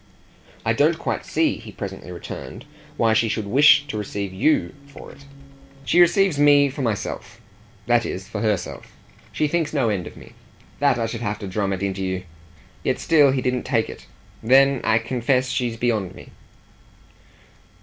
"I don't quite see," he presently returned, "why she should wish to receive YOU for it." "She receives me for myself that is for HER self. She thinks no end of me. That I should have to drum it into you!" Yet still he didn't take it. "Then I confess she's beyond me."